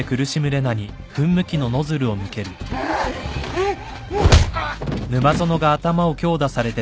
あっ！？